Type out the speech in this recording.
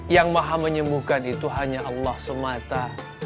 yang maha menyembuhkan itu hanya allah semata